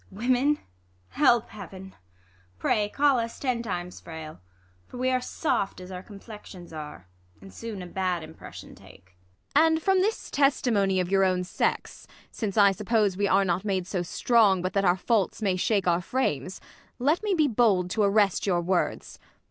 Women 1 help Heaven ! pray call us ten times frail. For we are soft, as our complexions are, And soon a bad impression take. Ang. And from this testimony of your own sex, Since I suppose we are not made so strong, But that our faults may shake our frames, let me Be bold t 'arrest your words.